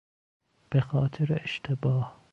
به خاطر اشتباه